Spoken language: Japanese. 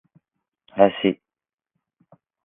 林